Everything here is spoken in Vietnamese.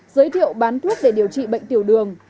giới thiệu bán thuốc để điều trị bệnh tiểu đường